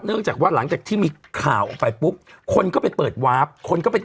เนื้อจากว่างที่มีข่าวไปคุณก็ไปเปิดวาร์พ